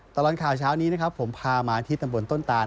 ตลอดข่าวเช้านี้นะครับผมพามาที่ตำบลต้นตาน